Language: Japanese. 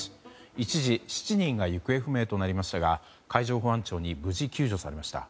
一時、７人が行方不明となりましたが海上保安庁に無事救助されました。